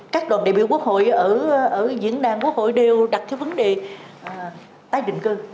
các đoàn đại biểu quốc hội ở diễn đàn quốc hội đều đặt cái vấn đề tái định cư